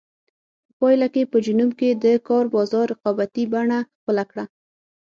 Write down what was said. په پایله کې په جنوب کې د کار بازار رقابتي بڼه خپله کړه.